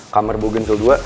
kamar bugil dua